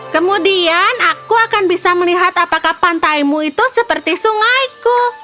kemudian aku akan bisa melihat apakah pantaimu itu seperti sungaiku